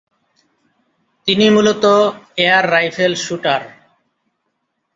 তিনি মূলত air rifle shooter.